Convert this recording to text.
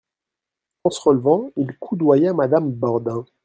En se relevant, il coudoya Madame Bordin.